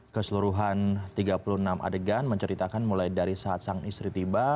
keseluruhan tiga puluh enam adegan menceritakan mulai dari saat sang istri tiba